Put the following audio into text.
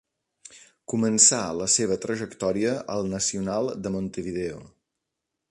Començà la seva trajectòria al Nacional de Montevideo.